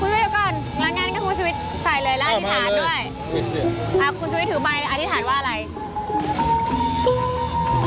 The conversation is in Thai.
คุณชิวิชถือตัวไว้อธิฐานว่าอะไร